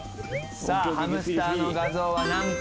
さあハムスターの画像は何個。